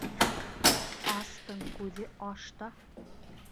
Астың күҙе ашта.